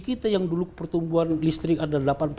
kita yang dulu pertumbuhan listrik ada